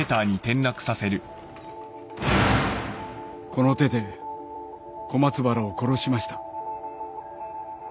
この手で小松原を殺しました。